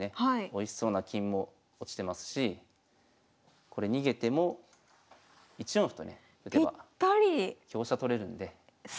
おいしそうな金も落ちてますしこれ逃げても１四歩とね打てば香車取れるんで。